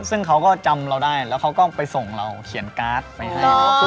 ซึ่งเขาก็จำเราได้แล้วเขาก็ไปส่งเราเขียนการ์ดไปให้